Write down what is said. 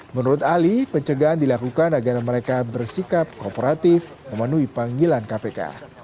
menurut ali pencegahan dilakukan agar mereka bersikap kooperatif memenuhi panggilan kpk